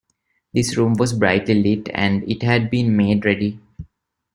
This room was brightly lit; and it had been made ready.